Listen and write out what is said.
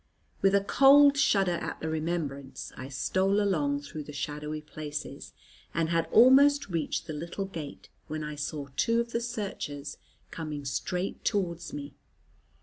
With a cold shudder at the remembrance, I stole along through the shadowy places, and had almost reached the little gate, when I saw two of the searchers coming straight towards me.